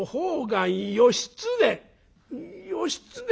「義経！？